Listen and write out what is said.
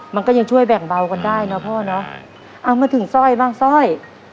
มันก็ยังช่วยแบ่งเบากันได้นะพ่อเนอะเอามาถึงสร้อยบ้างสร้อย